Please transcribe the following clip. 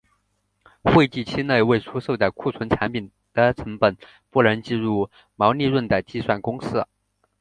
会计期内未售出的库存产品的成本不能计入毛利润的计算公式。